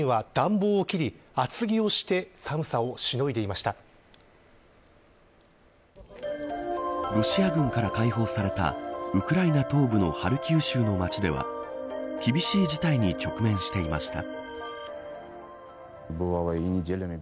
市民は暖房を切り、厚着をしてロシア軍から解放されたウクライナ東部のハルキウ州の街では厳しい事態に直面していました。